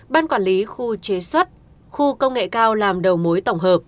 ban quản lý khu chế xuất khu công nghệ cao làm đầu mối tổng hợp